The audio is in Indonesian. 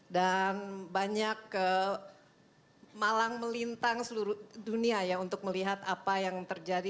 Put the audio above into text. dan banyak kemalang melintang seluruh dunia ya untuk melihat apa yang terjadi